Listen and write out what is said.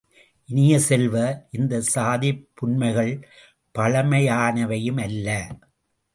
இனிய செல்வ, இந்தச் சாதிப்புன்மைகள் பழமையானவையும் அல்ல.